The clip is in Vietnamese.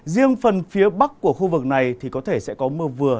riêng phần phía bắc của khu vực này thì có thể sẽ có mưa vừa